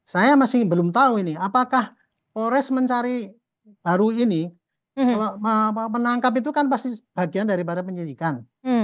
saya masih belum tahu ini apakah polres mencari baru ini kalau menangkap itu kan pasti bagian daripada penyidikan